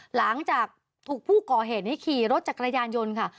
หลังจากถูกผู้ก่อเหตุนี้ขี่รถจักรยานยนต์ค่ะ